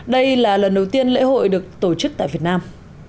đây là lần đầu tiên lễ hội được tổ chức tại việt nam